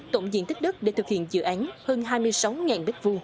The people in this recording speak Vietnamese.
tổng diện tích đất để thực hiện dự án hơn hai mươi sáu m hai